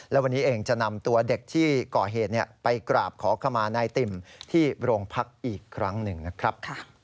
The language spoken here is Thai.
และวันนี้เองจะนำตัวเด็กที่ก่อเหตุไปกราบขอขมานายติ่มที่โรงพักอีกครั้งหนึ่งนะครับ